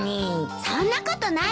そんなことないわ。